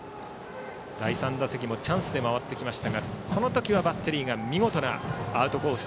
第３打席もチャンスで回ってきましたがこの時はバッテリーが見事なアウトコース